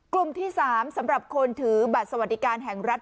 กลุ่มที่๓สำหรับคนถือบัตรสวัสดิการแห่งรัฐ